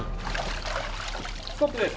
ストップです。